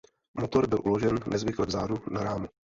Motor byl uložen nezvykle vzadu na rámu.